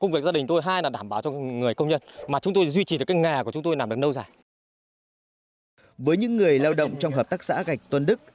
với những người lao động trong hợp tác xã gạch tôn đức